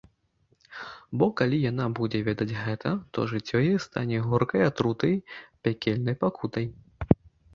Бо калі яна будзе ведаць гэта, то жыццё яе стане горкай атрутай, пякельнай пакутай.